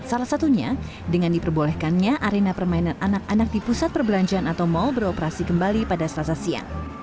salah satunya dengan diperbolehkannya arena permainan anak anak di pusat perbelanjaan atau mal beroperasi kembali pada selasa siang